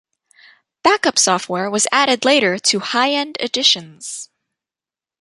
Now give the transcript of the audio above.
Backup software was added later to high-end editions.